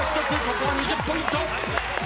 ここは２０ポイント。